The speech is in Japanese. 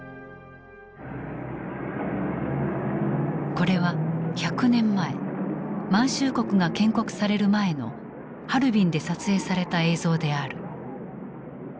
これは１００年前満州国が建国される前のハルビンで撮影された映像である。